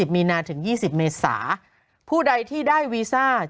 โหยวายโหยวายโหยวายโหยวาย